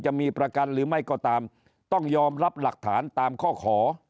จะมีประกันหรือไม่ก็ตามต้องยอมรับหลักฐานตามข้อขอ